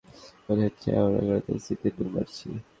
মনে হচ্ছে, আমরা গ্রহটার স্মৃতিতে ডুব মারছি!